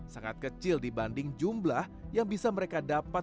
sangat kecil dibanding jumlah yang bisa mereka dapat